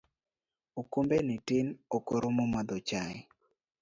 Okombe ni tin ok rom madho chai